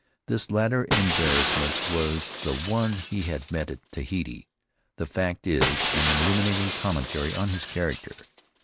This latter embarrassment was the one he had met at Tahiti. The fact is an illuminating commentary on his character.